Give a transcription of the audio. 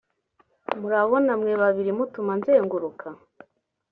murabona mwe babiri mutuma nzenguruka